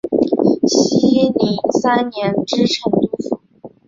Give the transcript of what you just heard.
熙宁三年知成都府。